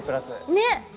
ねっ！